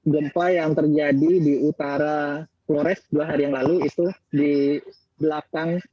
gempa yang terjadi di utara flores dua hari yang lalu itu di belakang